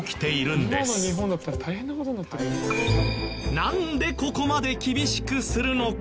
なんでここまで厳しくするのか。